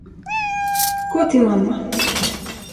Gå till mamma.